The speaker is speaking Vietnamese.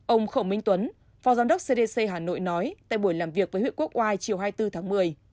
ông khổ minh tuấn phó giám đốc cdc hà nội nói tại buổi làm việc với huyện quốc oai chiều hai mươi bốn tháng một mươi